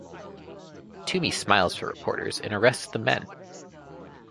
Toomey smiles for reporters and arrests the men.